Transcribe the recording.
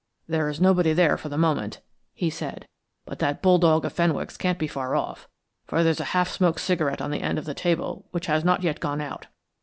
"There is nobody there for the moment," he said, "but that bulldog of Fenwick's can't be far off, for there is a half smoked cigarette on the end of the table which has not yet gone out.